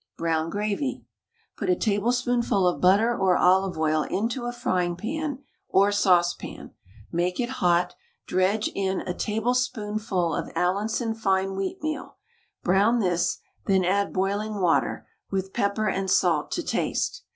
BROWN GRAVY. Put a tablespoonful of butter or olive oil into a frying pan or saucepan, make it hot, dredge in a tablespoonful of Allinson fine wheatmeal, brown this, then add boiling water, with pepper and salt to taste.